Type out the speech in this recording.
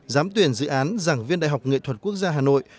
giám tuyển dự án giảng viên đại học nghệ thuật quốc gia hà nội